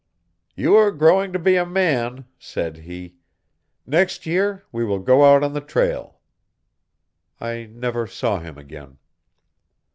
'You are growing to be a man,' said he; 'next year we will go out on the trail.' I never saw him again."